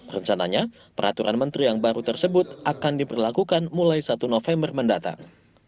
rencananya peraturan menteri yang baru tersebut akan diperlakukan mulai satu november mendatang